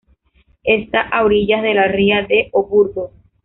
Esta a orillas de la ría de O Burgo.